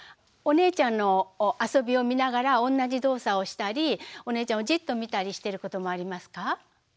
お姉ちゃんの遊びを見ながら同じ動作をしたりお姉ちゃんをじっと見たりしてることもありますか？